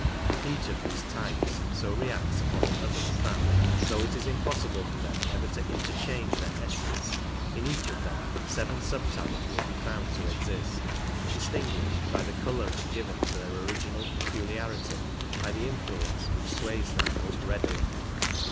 Each of these types so reacts upon the others that, though it is impossible for them ever to interchange their essence, in each of them seven sub types will be found to exist, distinguished by the colouring given to their original peculiarity by the influence which sways them most readily.